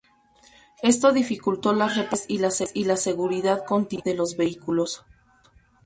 Esto dificultó las reparaciones y la seguridad continuada de los vehículos.